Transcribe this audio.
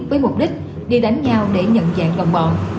với mục đích đi đánh nhau để nhận dạng đồng bọn